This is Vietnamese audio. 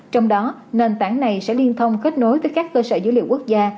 trong đó nền tảng này sẽ liên thông kết nối với các cơ sở dữ liệu quốc gia